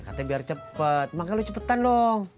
katanya biar cepat makanya lu cepetan dong